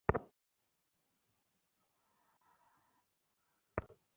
ঘুমের মধ্যে মানুষ হাত নাড়ে, পা নাড়ে- আমি তার কিছুই করি না।